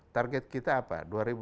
target kita apa